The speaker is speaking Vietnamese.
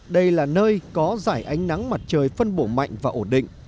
đây là nơi có giải ánh nắng mặt trời phân bổ mạnh và ổn định